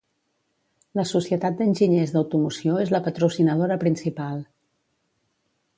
La Societat d'Enginyers d'Automoció és la patrocinadora principal.